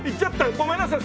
ごめんなさい。